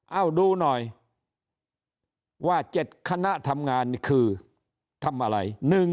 เอาดูหน่อยว่า๗คณะทำงานนี่คือทำอะไร